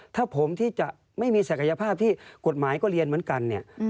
ถ้าผมที่จะไม่มีศักยภาพที่กฎหมายก็เรียนเหมือนกันเนี่ย